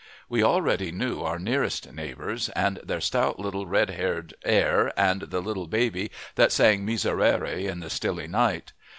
We already knew our nearest neighbors, and their stout little red haired heir and the little baby that sang miserere in the stilly night.